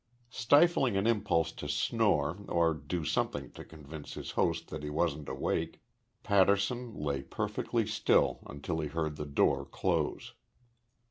Stifling an impulse to snore or do something to convince his host that he wasn't awake, Patterson lay perfectly still until he heard the door close.